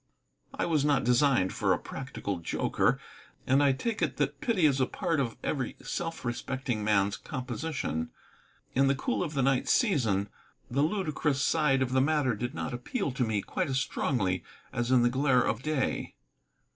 I was not designed for a practical joker, and I take it that pity is a part of every self respecting man's composition. In the cool of the night season the ludicrous side of the matter did not appeal to me quite as strongly as in the glare of day.